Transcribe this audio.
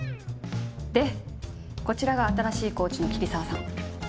でこちらが新しいコーチの桐沢さん。